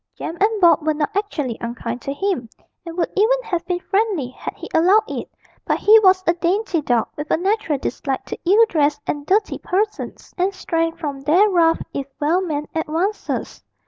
Jem and Bob were not actually unkind to him, and would even have been friendly had he allowed it; but he was a dainty dog, with a natural dislike to ill dressed and dirty persons, and shrank from their rough if well meant advances.